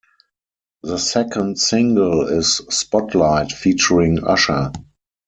The second single is "Spotlight" featuring Usher.